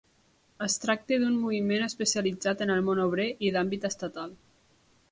Es tracta d'un moviment especialitzat en el món obrer i d'àmbit estatal.